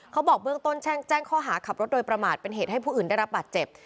บอกเบื้องต้นแจ้งข้อหาขับรถโดยประมาทเป็นเหตุให้ผู้อื่นได้รับบาดเจ็บ